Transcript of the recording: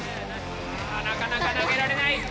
なかなか投げられない！